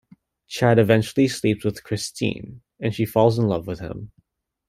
Chad eventually sleeps with Christine, and she falls in love with him.